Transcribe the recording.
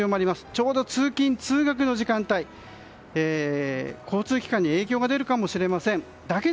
ちょうど通勤・通学の時間帯交通機関に影響が出るかもしれません。